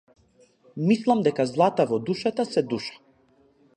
Мислам дека злата во душата се душа.